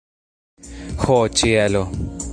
Ho, ĉielo!